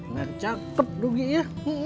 nggak cakep nugi ya